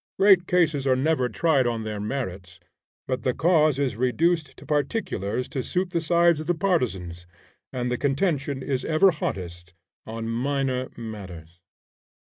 Great causes are never tried on their merits; but the cause is reduced to particulars to suit the size of the partisans, and the contention is ever hottest on minor matters.